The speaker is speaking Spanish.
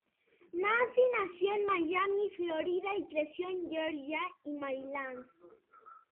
Macy nació en Miami, Florida, y creció en Georgia y Maryland.